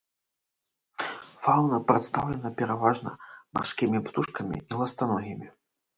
Фаўна прадстаўлена пераважна марскімі птушкамі і ластаногімі.